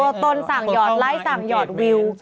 ตนสั่งหอดไลค์สั่งหยอดวิว